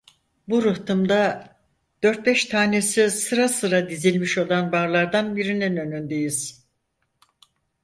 Bu rıhtımda dört beş tanesi sıra sıra dizilmiş olan barlardan birinin önündeyiz.